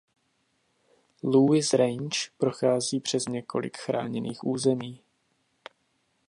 Lewis Range prochází přes několik chráněných území.